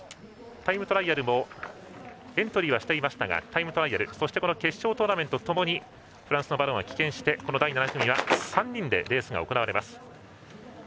タイムトライアルもエントリーはしていましたがタイムトライアル決勝トーナメントともにフリースタイルのバロンは棄権して、第７組は３人でレースが行われます。